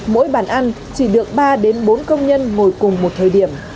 mỗi bàn ăn chỉ được ba bốn công nhân ngồi cùng một thời điểm